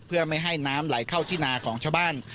เพื่อไม่ให้น้ำไหลเข้าที่นาของชาวบ้าน